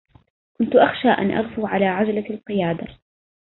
كنت أخشى أن أغفو على عجلة القيادة.